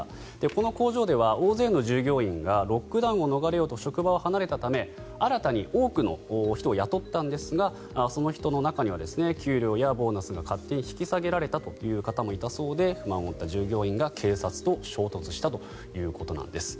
この工場では大勢の従業員がロックダウンを逃れようと職場を離れたため新たに多くの人を雇ったんですがその人の中には給料やボーナスが勝手に引き下げられたという方もいたそうで不満を持った従業員が警察と衝突したということです。